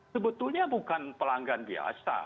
sebetulnya bukan pelanggan biasa